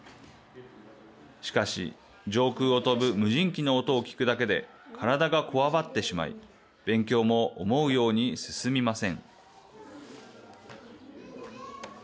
しかし、上空を飛ぶ無人機の音を聞くだけで体がこわばってしまい勉強も思うように進みません。